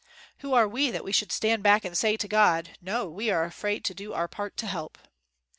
Who are we that we should stand back and say to God, 'No, we are afraid to do our part to help.'